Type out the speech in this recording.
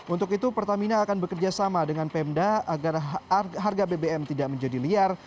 untuk itu pertamina akan bekerjasama dengan pemda agar harga bbm tidak menjadi liar